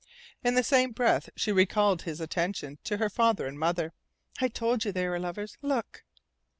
In the same breath she recalled his attention to her father and mother. "I told you they were lovers. Look!"